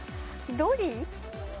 ドリー？